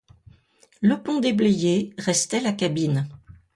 Le pont déblayé, restait la cabine.